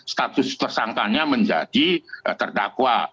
status tersangkanya menjadi terdakwa